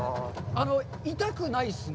痛くないですね。